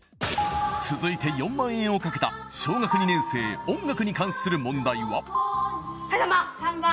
続いて４万円をかけた小学２年生音楽に関する問題ははい３番！